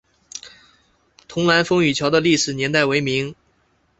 迥澜风雨桥的历史年代为明。